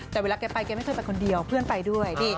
แต่เวลาแกไปแกไม่เคยไปคนเดียวเพื่อนไปด้วย